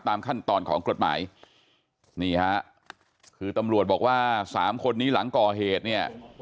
ตามขั้นตอนของกฎหมายนี่ฮะคือตำรวจบอกว่าสามคนนี้หลังก่อเหตุเนี่ย